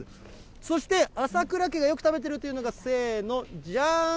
そして朝倉家ではよく食べてるというのが、せーの、じゃん！